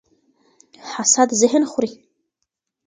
حسد ذهن خوري